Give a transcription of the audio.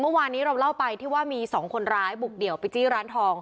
เมื่อวานนี้เราเล่าไปที่ว่ามีสองคนร้ายบุกเดี่ยวไปจี้ร้านทอง